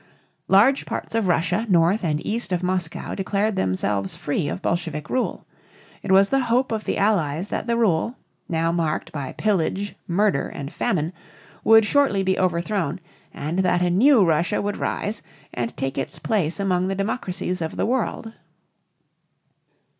Large parts of Russia north and east of Moscow declared themselves free of Bolshevik rule. It was the hope of the Allies that that rule now marked by pillage, murder, and famine would shortly be overthrown and that a new Russia would rise and take its place among the democracies of the world.